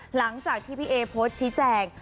หลังจากที่พี่เอโพสต์ชี้แจง